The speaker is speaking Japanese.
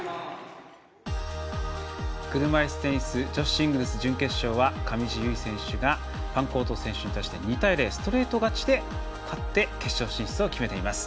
車いすテニス女子シングルス準決勝は上地結衣選手がファンコート選手に対して２対０、ストレート勝ちで決勝進出を決めています。